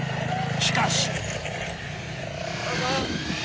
［しかし］